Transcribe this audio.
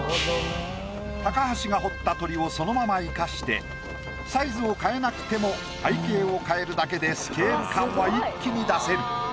高橋が彫った鳥をそのまま生かしてサイズを変えなくても背景を変えるだけでスケール感は一気に出せる。